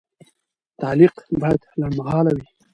تعلیق باید لنډمهاله وي.